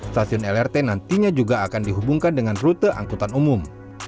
stasiun lrt nantinya juga akan dihubungkan dengan rute angkutan umum